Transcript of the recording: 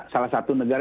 salah satu negara